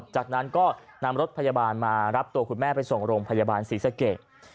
จากนั้นก็นำรถพยาบาลมารับตัวคุณแม่ไปส่งโรงพยาบาลศรีสเกต